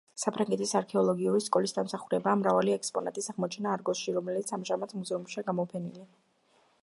საფრანგეთის არქეოლოგიური სკოლის დამსახურებაა მრავალი ექსპონატის აღმოჩენა არგოსში, რომლებიც ამჟამად მუზეუმშია გამოფენილი.